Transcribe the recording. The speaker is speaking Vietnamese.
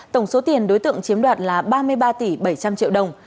tổng số tiền đối tượng chiếm đoạt là ba mươi ba tỷ bảy trăm linh triệu đồng